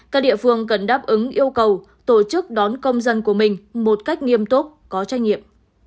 các địa phương cần đáp ứng yêu cầu tổ chức đón công dân của mình một cách nghiêm túc có trách nhiệm